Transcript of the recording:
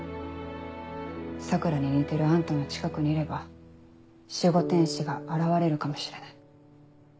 桜に似てるあんたの近くにいれば守護天使が現れるかもしれない。